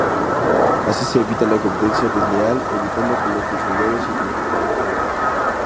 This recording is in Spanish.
Así se evita la competencia desleal, evitando que los consumidores se confundan al comprar.